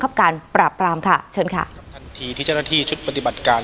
การปราบปรามค่ะเชิญค่ะทันทีที่เจ้าหน้าที่ชุดปฏิบัติการ